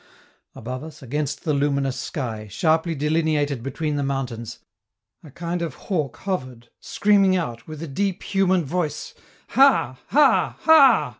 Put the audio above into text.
Above us, against the luminous sky, sharply delineated between the mountains, a kind of hawk hovered, screaming out, with a deep, human voice, "Ha! Ha! Ha!"